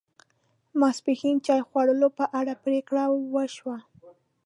ماپښین چای خوړلو په اړه پرېکړه و شوه.